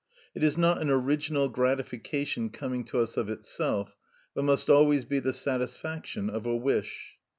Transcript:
It is not an original gratification coming to us of itself, but must always be the satisfaction of a wish.